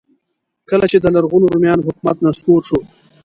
کله چې د لرغونو رومیانو حکومت نسکور شو.